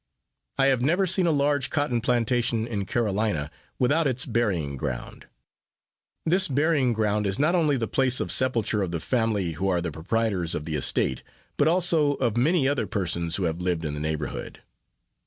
I have never seen a large cotton plantation, in Carolina, without its burying ground. This burying ground is not only the place of sepulture of the family, who are the proprietors of the estate, but also of many other persons who have lived in the neighborhood.